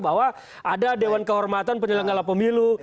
bahwa ada dewan kehormatan penyelenggara pemilu